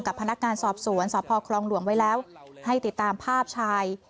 พนักงานสอบสวนสพคลองหลวงไว้แล้วให้ติดตามภาพชาย